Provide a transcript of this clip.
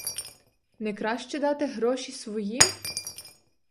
Не краще дати гроші своїм?